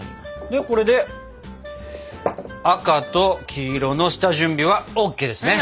でこれで赤と黄色の下準備はＯＫですね！